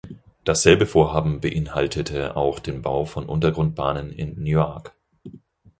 Dasselbe Vorhaben beinhaltete auch den Bau von Untergrundbahnen in Newark.